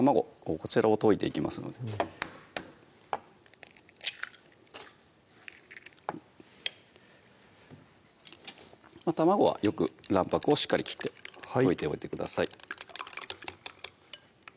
こちらを溶いていきますので卵はよく卵白をしっかり切って溶いておいてください